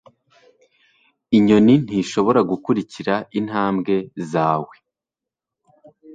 inyoni ntishobora gukurikira intambwe zawe